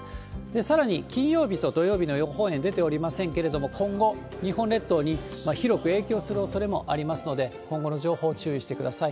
さらに金曜日と土曜日の予報円出ておりませんけれども、今後、日本列島に広く影響するおそれもありますので、今後の情報、注意してください。